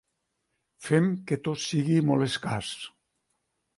Fem que tot sigui molt escàs.